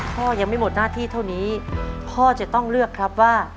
พ่อยังไม่หมดหน้าที่เท่านี้พ่อจะต้องเลือกครับว่า